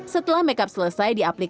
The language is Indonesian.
setelah make up selesai